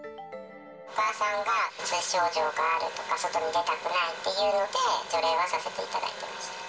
お母さんが、うつ症状があるとか、外に出たくないっていうので、除霊はさせていただいてました。